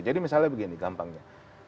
jadi misalnya begini gampangnya